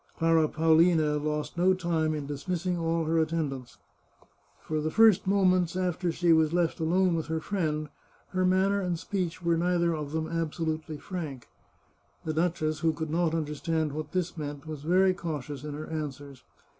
Clara Paolina lost no time in dismissing all her attendants. For the first moments after she was left alone with her friend, her manner and speech were neither of them absolutely frank. The duchess, who could not understand what this meant, was very cautious in her answers.